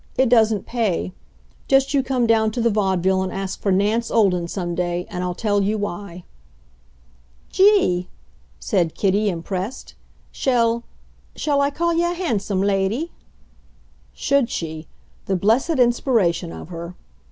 It doesn't pay. Just you come down to the Vaudeville and ask for Nance Olden some day, and I'll tell you why." "Gee!" said Kitty, impressed. "Shall shall I call ye a hansom, lady?" Should she! The blessed inspiration of her!